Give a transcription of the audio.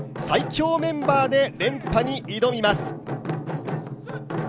最強メンバーで連覇に挑みます。